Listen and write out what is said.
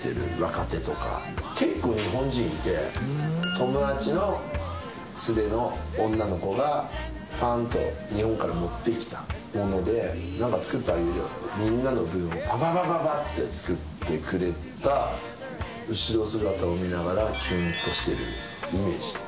友達の連れの女の子がパーンと日本から持ってきたもので「なんか作ってあげるよ！」ってみんなの分をパパパパパッて作ってくれた後ろ姿を見ながらキュンとしてるイメージ。